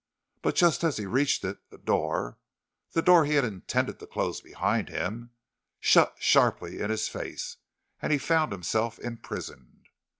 But just as he reached it, the door the door he had intended to close behind him shut sharply in his face, and he found himself imprisoned.